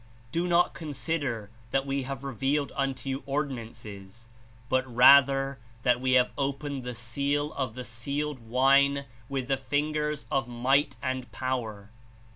"Do not consider that we have revealed unto you ordinances, but rather that we have opened the seal of the sealed wine with the fingers of might and power."